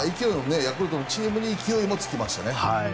ヤクルトのチームに勢いもつきましたよね。